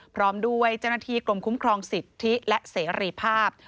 พร้อมด้วยเจ้าหน้าที่กรมคุ้มครองสิทธิและเสรีภาพ